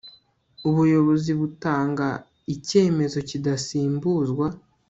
ubuyobozi butanga icyemezo kidasimbuzwa